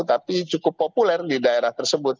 tapi cukup populer di daerah tersebut